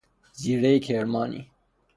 زیرۀ کرمانی